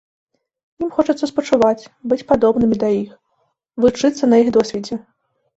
Ім хочацца спачуваць, быць падобнымі да іх, вучыцца на іх досведзе.